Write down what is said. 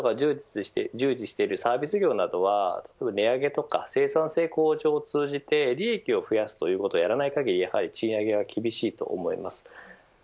また多くの人が従事しているサービス業などでは値上げとか生産性向上を通じて利益を増やすということをやらない限りやはり賃上げは厳しいと思います。